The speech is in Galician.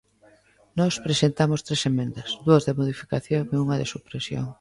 Nós presentamos tres emendas: dúas de modificación e unha de supresión.